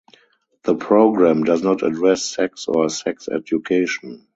The programme does not address sex or sex education.